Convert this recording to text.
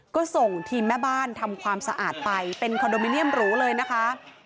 ก็ส่งทีมแม่บ้านทำความสะอาดไปเป็นคอนโดมิเนียมหรูเลยนะคะ